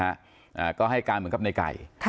และก็ให้การเหมือนกับในไก่